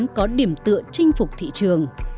để dự án có được một điểm tượng chinh phục thị trường